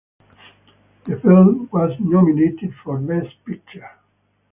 The film was nominated for Best Picture.